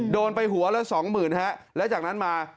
โดนไปหัวละสองหมื่นฮะแล้วจากนั้นมา